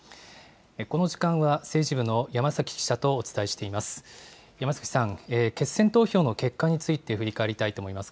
この時間は政治部の山崎記者とお伝えしています。